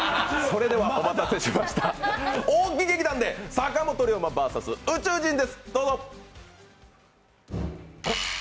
それでは、お待たせしました、大木劇団で、「坂本龍馬ｖｓ宇宙人」です。